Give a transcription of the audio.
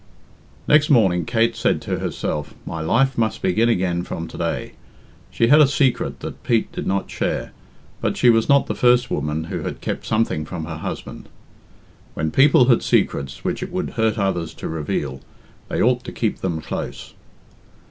I. Next morning Kate said to herself, "My life must begin again from to day." She had a secret that Pete did not share, but she was not the first woman who had kept something from her husband. When people had secrets which it would hurt others to reveal, they ought to keep them close.